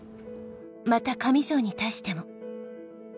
また上条に対しても。